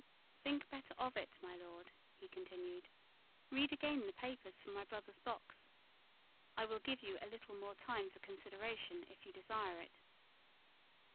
"Think better of it, my Lord," he continued. "Read again the papers from my brother's box. I will give you a little more time for consideration, if you desire it."